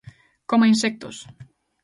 Coma insectos.